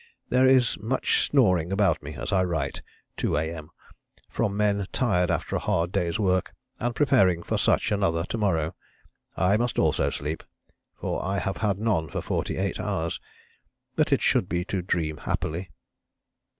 There is much snoring about me as I write (2 A.M.) from men tired after a hard day's work and preparing for such another to morrow. I also must sleep, for I have had none for 48 hours but it should be to dream happily."